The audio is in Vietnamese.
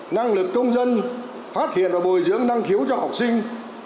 năng lực công dân phát hiện và bồi dưỡng năng khiếu cho học sinh